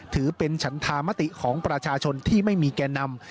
ถือเป็นฉันธามติของประชาชนที่ไม่มีแก่นำ